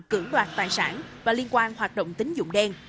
cử loạt tài sản và liên quan hoạt động tính dụng đen